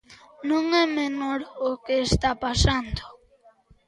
Non é menor o que está pasando.